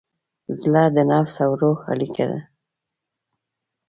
زړه د نفس او روح اړیکه ده.